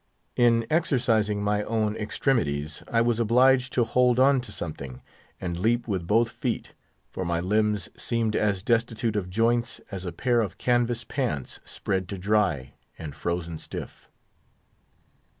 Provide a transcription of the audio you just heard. In exercising my other extremities, I was obliged to hold on to something, and leap with both feet; for my limbs seemed as destitute of joints as a pair of canvas pants spread to dry, and frozen stiff.